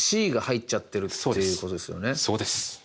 そうです。